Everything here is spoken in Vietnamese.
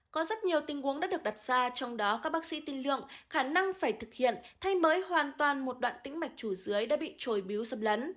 có rất nhiều tình huống đã được đặt ra trong đó các bác sĩ tin lượng khả năng phải thực hiện thay mới hoàn toàn một đoạn tĩnh mạch chủ dưới đã bị trồi miếu xâm lấn